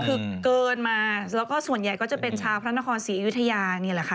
คือเกินมาแล้วก็ส่วนใหญ่ก็จะเป็นชาวพระนครศรีอยุธยานี่แหละค่ะ